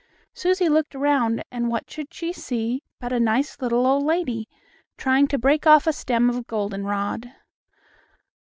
Susie looked around, and what should she see but a nice, little old lady, trying to break off a stem of goldenrod.